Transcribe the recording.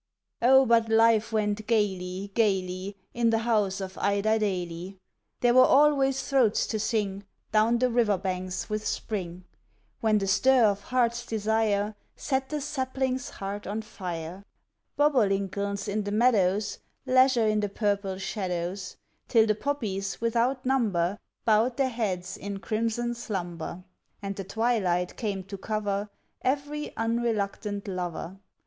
Oh, but life went gayly, gayly, In the house of Idiedaily! There were always throats to sing Down the river banks with spring, When the stir of heart's desire Set the sapling's heart on fire. Bobolincolns in the meadows, Leisure in the purple shadows, Till the poppies without number Bowed their heads in crimson slumber, And the twilight came to cover Every unreluctant lover.